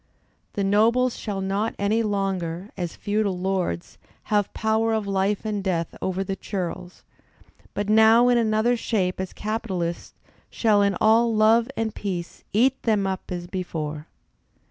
The nobles shall not any longer, as feudal lords, have power of life and death over the churls, but now in another shape as capitalists, shall in all love and peace eat them up as before.